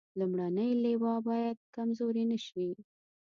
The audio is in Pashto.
لومړنۍ لواء باید کمزورې نه شي.